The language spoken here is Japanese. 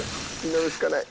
祈るしかない！